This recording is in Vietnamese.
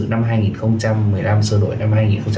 năm hai nghìn một mươi năm sơ đổi năm hai nghìn một mươi bảy